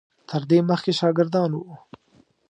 تر دې مخکې شاګردان وو.